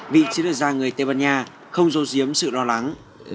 vì chỉ được ra người tây ban nha không dô diếm sự lo lắng